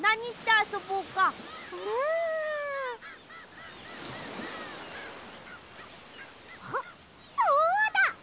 あっそうだ！